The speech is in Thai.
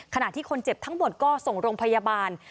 ขณะที่คนเจ็บทั้งหมดก็ส่งโรงพยาบาล